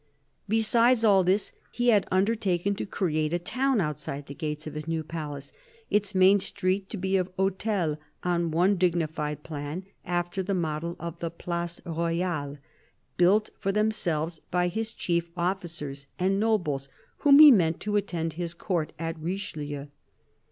Besides all this, he had undertaken to create a town outside the gates of his new palace, its main street to be of hotels on one dignified plan, after the model of the Place Royale, built for themselves by his chief officers and the nobles whom he meant to attend his Court at Richelieu.